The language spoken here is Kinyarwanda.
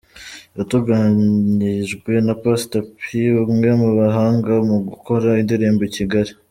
Yatunganyijwe na Pastor P umwe mu bahanga mu gukora indirimbo i Kigali.